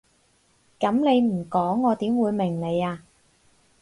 噉你唔講我點會明你啊？